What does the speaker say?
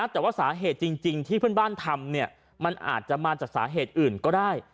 แต่ว่าสาเหตุจริงที่เพื่อนบ้านทำมันอาจจะมาจากสาเหตุอื่นก็ได้